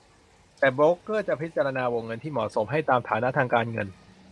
แต่โบรกเกอร์จะพิจารณาวงเงินที่เหมาะสมให้ตามฐานะทางการเงิน